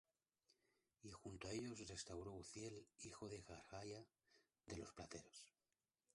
Y junto á ellos restauró Uzziel hijo de Harhaía, de los plateros;